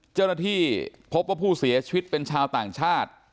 เจ้าหน้าที่พบว่าผู้เสียชีวิตเป็นชาวต่างชาติ